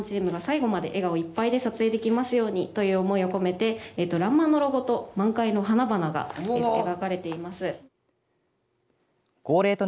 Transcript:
神木さんはじめらんまんチームが最後まで笑顔いっぱいで撮影できますようにという思いを込めてらんまんのロゴと満開の花々が描かれています。